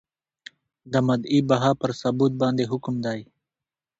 د مدعی بها پر ثبوت باندي حکم دی ؟